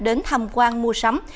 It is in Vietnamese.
đến thăm quan mua sắm